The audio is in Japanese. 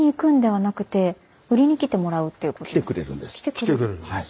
来てくれるんです。